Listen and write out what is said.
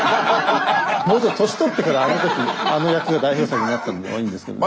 もっと年取ってからあの時あの役が代表作になったはいいんですけど。